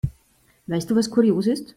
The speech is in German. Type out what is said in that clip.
Weißt du, was kurios ist?